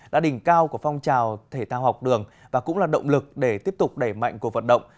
đã đỉnh cao của phong trào thể thao học đường và cũng là động lực để tiếp tục đẩy mạnh cuộc vận động